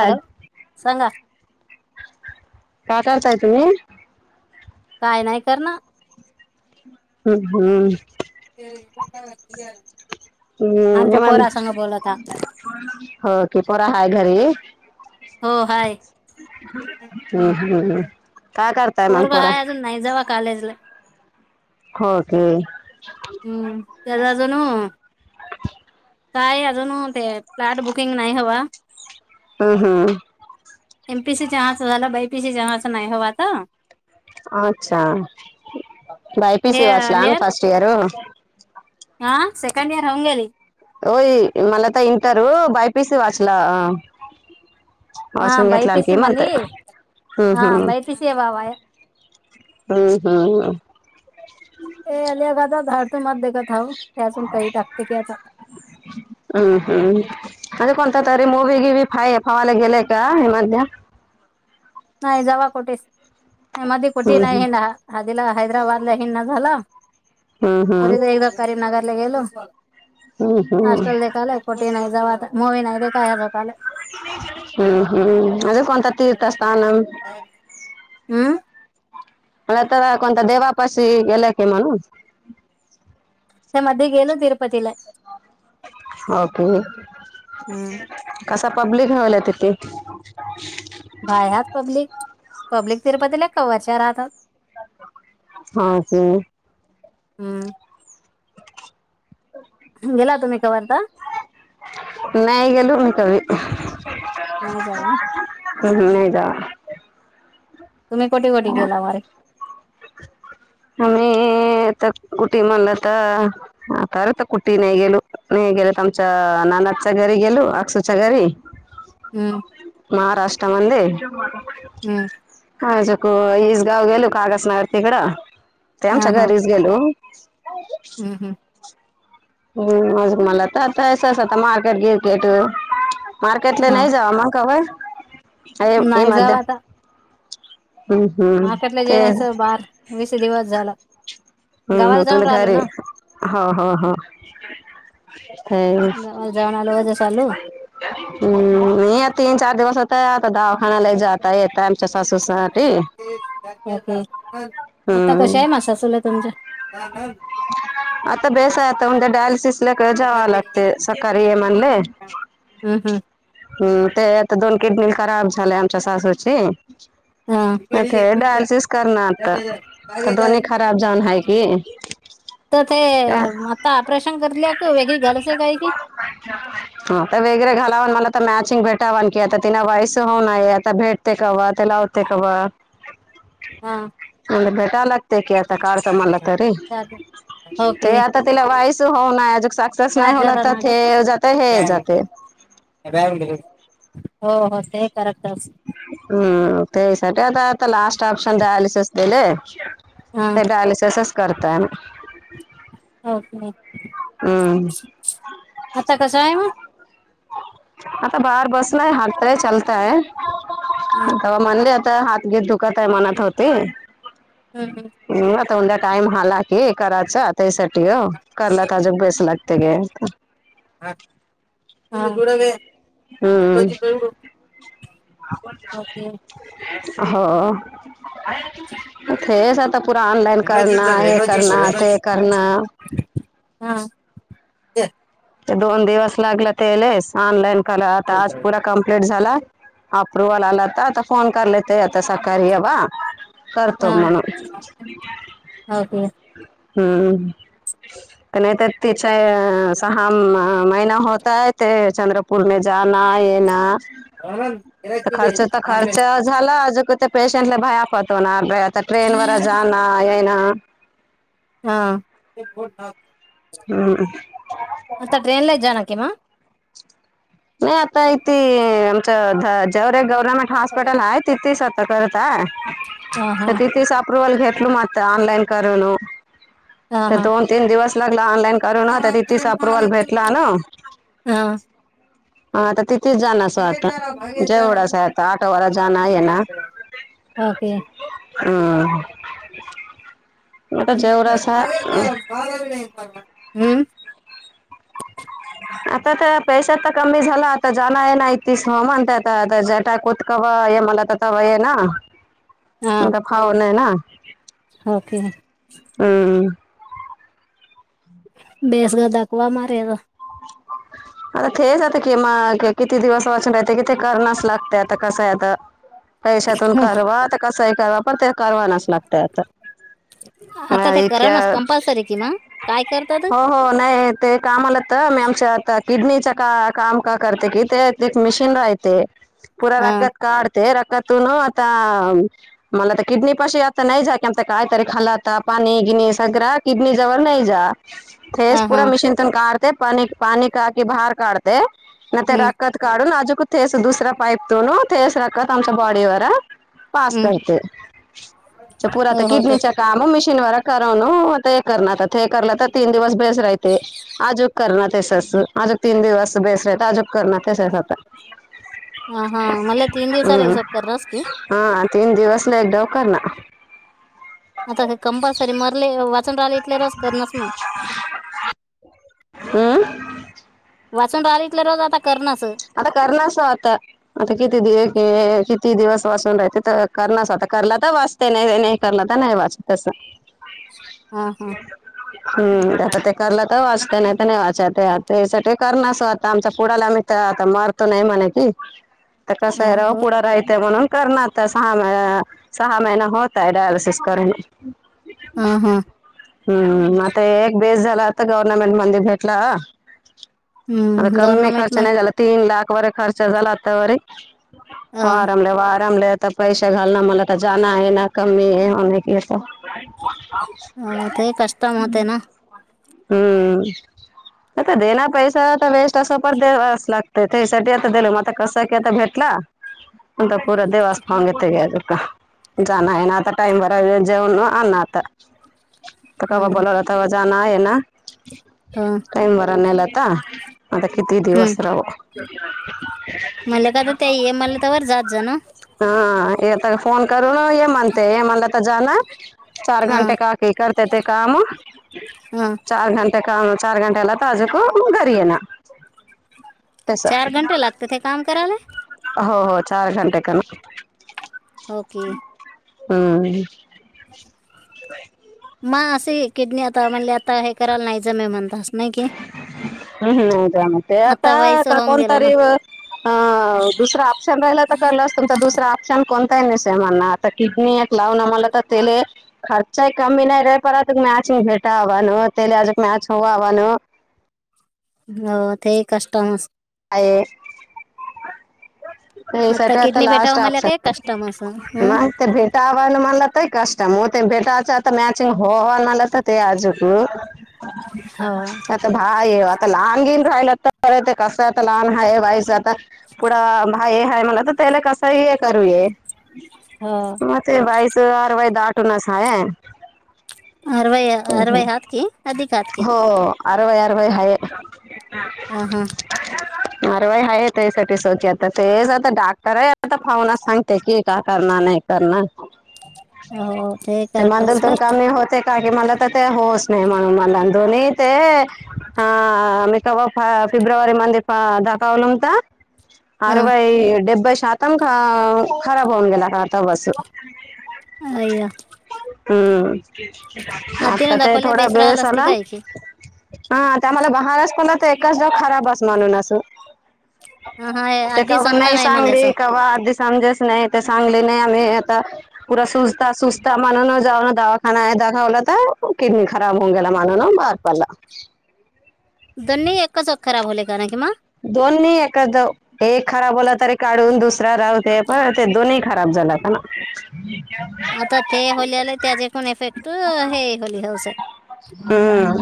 Hello सांगा. का करताय तुम्ही. काय नाही करणं. हम् हम्. [unintelligible] आमच्या पोरासंग बोलता. ह. ते पोरा हाय घरी. हो हाय. हम् हम् हम् काय कर पोरबाळ हाय अजून नाही जवा कालेजला. [unintelligible] [inaudible] होगे हम्म, [inaudible] त्याचाजणू काय अजून ते. फ्लॅट बुकिंग नाही हवा हम. हम. एमपीसी चहाचं झालं बयपीसी चहाचं नाही हव [inaudible] तर [inaudible] हे अच्छायपीसी वाच ला ना लेअर फर्स्ट इयर. हा सेकंड इयर राऊन गेली. होय, मला तर इटर बाय पीस वाचला. हा वाशम [inaudible] गटलाख बीपीसी ये [inaudible] मत मध्ये हम हा हमम बीपीसी आहे बाबा हम्. हम.. ए [unintelligible] [inaudible] आल गादा झाडतो मात दे का हाऊ त्यातण काही टाकते की आता हम.. हम.. [unintelligible] नाही जावा कुठेच नाही. मध्ये कुठे हम्म नाही आहे ना. आधीला हैदराबाद ला हीना झाला हम्म हम्म पर हम्म एकदा करीमनगरला गेलो हम्म हम्म हॉस्टेल देखालाय कुठे नाही जाऊ आता मूवी नाही ते काय ह्या जाता हम्म.. हम्म.. असं कोणतं तीर्थस्थान हम्म आणि आता कोणत्या देवापाशी गेल्या की म्हणून ते मध्ये गेलो तिरुपतीला हम्म [unintelligible] [unintelligible] हा तेच [inaudible] [inaudible] गेला तुम्ही कवा आता नाही गेलो मी कवी नाही जावा हुं हुं नाही जावा तुम्ही कोठे कोठे गेला [inaudible] मग [unintelligible] [inaudible] ते आता कुटी म्हणलं तर ह तरर तर कुठे नाही गेलो. नाही गेल तर आमच्या नानाच्या घरी गेलो. अक्षूच्या घरी [inaudible] महारास्ट्रा मंदे हम्म [unintelligible] ते आमच्या घरीच गेलो हम् [inaudible] हम्ज मला तर आतास आता मार्केट [inaudible] गिरकेट मार्केटला हा नाही जावा मग काय होय? [inaudible] मगय नाही मध्ये जावा आता मार्केटला ते जेण्याचं बार वीस दिवस झाला हम् ह तुमला [inaudible] घरी हो हो हो ते [unintelligible] हम्म मी तीन, चार दिवस होताय आता दावाखानाला जात [inaudible] हाय एकटी [unintelligible] [inaudible] राकेश आता कशा हम्म आहे मग सासुला तुमच्या? आता बेस आहे आता मग डायलिसिसला जावं लागते सकाळी ये म्हणले. हम्म हम्म हम्म ते आता दोन किडनी खराब झाले आमच्या सासूची. हा ते डायलिसिस करणार तर दोन्ही खराब जाऊन हाय की तर ते हा, आता ऑपरेशन करले का वेगळी घालस काय की [inaudible] हा तर वेगळे घालावन म्हणलं तर मॅचिंग भेटावान की आता तिना वायस होऊनय आता भेट ते कवा ते लावते कवा हा. [unintelligible] भेटाव लागत की आता काढतो म्हणलं तरी ते ओके आता तिला [unintelligible] हो ना अज सक्सेस चार नाही होल जरा तर नाडी हे जातयं हे जातयं [unintelligible] हो बसते करेक्टस. हम्म ते सध्या आता लास्ट ऑप्शन डायलीसिस दिले हा. ते डायलिसिसच करताय आम्ही [unintelligible] हम्म. आता कसं आहे मग? आता बाहर बसलय हालतय चालताय. हा [unintelligible] म्हणले आता हात घीत दुखत आहे म्हणत होती. हम्म हम्म. हम्म आता उद्या टाइम हाला की करायचं तेसाठी ग करला त अजून पैसे लाग ते गे. हा [unintelligible] हम्म. ओके हो तेच आता पुरा ऑनलाइन करणार, हे करणार ते करना. हा. ते दोन दिवस लागलं तेलेस ऑनलाईन करा आता आज पुरा कंप्लीट झाला, अप्रुव्हल आला तर आता फोन करला ते आता सकाळी ये बा करतो हा म्हणून. ओके हम्म नाही तर तिच्या हा महिना होता आहे ते चंद्रपूर मे जाना येना. [unintelligible] खर्च तर खर्च झाला अजो क ते पेशंटला भया पतो ना आता ट्रेन वर जाणा हा आहेय ना. हा. हम्म. आता ट्रेनला जाणे की मग? नाही आता इथे आमच [unintelligible] गव्हर्मेंट हॉस्पिटल हाय तिथेच आता करत हा हा [unintelligible] तिथंच अप्रुवल घेतल म आता ऑनलाईन करून. हा तर हा दोन तीन दिवस लागला ऑनलाइन करून तर तिथंच अप्रुव्हल भेटला ना. हा हा आता ते तेच जाणसं आता जेवढच आहे आता आठवडा जाणा येना. ओके ह... आता जेवरासा. हूं... आता तर पैश तर कमी झाला आता जाणं- येणं हाय तीस मंत आता आता जटा कोत कवा आहे मला, तर तवा आहे ना हा फावन आहे ना. ओके हूं.... बेसग दाकवा मारे गं. [inaudible] आता तेच आता कि मग किती दिवस वाचन राहते, कि ते करण्यास लागते आता कसंय आता [inaudible] पैशातून कारवा त कसंही कवा पण ते करवानाच लागत आता. आता अ ते कराव नाच इतक्या कंपल्सरी कि म काय करतात. हो हो नाही ते कामाला मी आमच्या आता किडनीच्या का काम का करते, कि ते एक मिशन राहयते. पुरा हा राखत काढते राखतून आता मला तर किडनी पाशी आता नाही जा की, आता कायतरी खालाता पाणी- गिणी सगळं किडनी जवळ नाही जा थेस हा हा पूरा मशीन तुून काढते पा पाणी काकी बाहेर काढते. ते नाही ते हम्म रखत काढून आजूक थेस दुसरां पाईप तोलू थेस राखत आमच्या बॉडीवर पास हम्म करते पुरात हो हो तर किडनीच्या काम मिशीन वरच करव नाव ते हे करणार आता हे करलं तर तीन दिवस भेस राहते आजच करणार तेसस अजुन तीन दिवस बेस राहते, अजून करणार तस आता. ह हा म्हणला तीन दिवसाला हम्म हिसब कररास को... हा तीन दिवस ला एक डाव करणार. आता काय कंपलसरी मरले, वाचून राहिले. क्लेरस करणास मग हम्म वाचून राहले तर रोज आता करणारसं आता करणारस वो आता. आता किती दिवस, किती दिवस वाचून राहते तर करनास आता करला तर वाच ते नाही -नाही करलं तर, नाही वाचत तसं. हा हा हूं... आता ते करलं तर वाचतं नाही तर, नाही वाचत त्यासाठी करणारस आता आमच्या क पोडाला आम्ही त्या आता महार्त नाही म्हणे की, ते कसं हा, आहे राहू हो पुढे राहते म्हणून करना तर सहा महि सहा महिना होताय डायलिसिस करुन. हा हा. हुं... आता एक बेस झाला, आता गवर्नमेंट मध्ये भेटला. आता हम्म कम्मी गव्हर्नमेंट खर्चा नाही झाला तीन लाख वर खर्च झाला आता वरी. मग वारमले वारमलेत. तर ता पैसे घाल ना मला तर जाणं आहे ना कम्मी आहेे [unintelligible] हो ते कष्टम होतय ना. हुं.. आता देना पैसा तर वेस्ट असो पर द्यावस लागते तेसाठी आता दिलं मग आता कस की आता भेटला. अंत प पुरा देवास मांगते आहे अ का जाणं आहे ना आता टाइम भरा व जेऊन आण आता. आता कवा हम्म, बोलवला तवा जाणं आहे ना. [unintelligible] टाईम बरा नेलाता, आता किती दिवस राहू? मलेका तर त्या ई एम आलं तवर जात जा ना. हा येता फोन करून ये म्हणते, मला तं जाणं चार हां घंटे का ते करत्या ते कामं, हां चार घंटे काम चार घंटेला ताज [unintelligible] घरी येणं. चार घंटे लागतं ते काम कराला? हो हो चार घंटे [unintelligible] ओके. हम् म असे एकेक नेता म्हणले आता हे करायला नाही जमे मी म्हणतं असं. हम्म नाही जमतये व्हायचं आता होऊन कोण गेलं ना तरी वं अं दुसरा ऑप्शन राहिला तर कळलं असतं, तुमचा दुसरा ऑप्शन कोणताय नसे म्हणा. तं किडनी एक लावना मला तं तेले खर्चाय कमी नाही रे, परतु मॅच भेटावनं तेला आजुक मॅच होवानं. हो तेहि कष्टमच आहे तेसाठी आता किडनी लास्ट भेटावं मला ऑपशन काय कष्टम असं हं? [unintelligible] [unintelligible] [inaudible] [inaudible] भाये आता लाहान गीन राहिला तर बरं ते कसंये आता लहान हाय बायच आता. पुढं भायी हाये मला तर त्याला कसंही ये करूये. हो हा ते भाईच अरवाय दाटूनच हाये. अरवई अरवई हात की, अधिक हात की. अरवई अरवई हाये. ह हम अरवाई हाये त्या साठी आता तेच, आता डाक्टर आहे आता पाहूना सांग. ते की का करणार, नाही करणार हो ते करेक्टच मांदलतून पर काम नाही होते. का की मला तर ते होउच नही म्हणून मला दोन्ही ते हा मी कवा फिब्रवारी मध्ये दाखवलं होतं. हा अरवाई डेबबई शातम ख खराब होऊन गेला खता बस. अ्या हम्म आता आधीनं ते दाखवल्या थोडा राहिलं बेस असती आला. काय की हा त्या मला बहारच पण तर एकच दाव खराबस म्हणून असं. हा हा ते का आधी बा समजा नाही सांगली, म्हणलेस का बा आधी समजे नाही ते सांगले नाही आम्ही आता पुरा सुस्ताा सुस्ता म्हणून जाऊन दवाखाना आहे दाखवलं तर, किडनी खराब होऊन गेला म्हणुन भार पडला. दोन्ही एकाच वक्त खराब होले का किं, दोन्ही एखाद दाव हे खराब होला तरी काढून दुसरा राहय दे. बरं ते दोनही खराब झाला होता ना. [inaudible] आता ते होल्याले त्याचे पण इफेक्ट हे होली होऊसये. हम्म.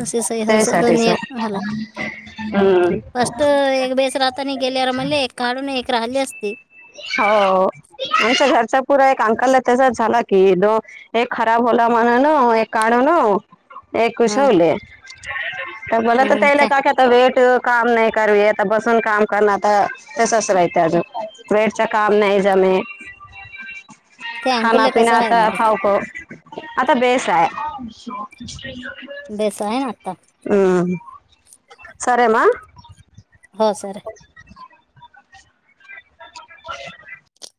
तशी सईहल [unintelligible] सग द त्यासाठीच ने हालय हम्म फस्ट एक बेस राहती गेल्यावर आम्हाला एक काडून एक राहिली असते. हो आमच्या घरचा पुरा एक अंकलला त्याच्या झाला की, दो ए खराब होला म्हणालो, एक काढलो. एक हं, कुशवले तर मला तर हं, त्याला त्या- का का [inaudible] वेट काम नाही करू आता बसून काम करण आता तेसच राहिते अजून, वे काम नाही जमे, त्या खाना अंकुले कसं पिना आहे आता मारे खऊ खऊ आता बेस आहे. बेस आहे ना आता हम्, साऱ्यांना. हो सर. [inaudible]